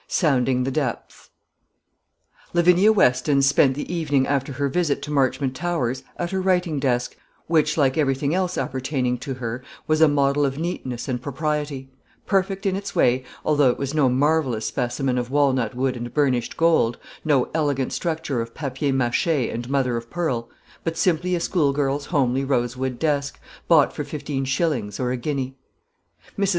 SOUNDING THE DEPTHS. Lavinia Weston spent the evening after her visit to Marchmont Towers at her writing desk, which, like everything else appertaining to her, was a model of neatness and propriety; perfect in its way, although it was no marvellous specimen of walnut wood and burnished gold, no elegant structure of papier mâché and mother of pearl, but simply a schoolgirl's homely rosewood desk, bought for fifteen shillings or a guinea. Mrs.